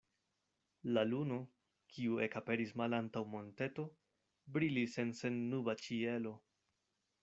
La luno, kiu ekaperis malantaŭ monteto, brilis en sennuba ĉielo.